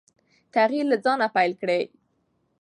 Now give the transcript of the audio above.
تغیر له ځانه پیل کړئ.